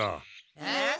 えっ？